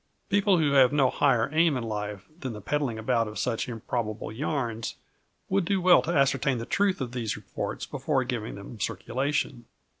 People who have no higher aim in life than the peddling about of such improbable yarns would do well to ascertain the truth of these reports before giving them circulation.